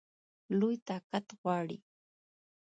لوی طاقت غواړي.